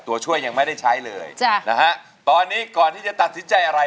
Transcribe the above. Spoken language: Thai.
ตัวช่วยยังไม่ได้ใช้เลยจ้ะนะฮะตอนนี้ก่อนที่จะตัดสินใจอะไร